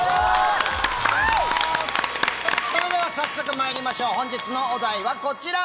それでは早速まいりましょう本日のお題はこちら！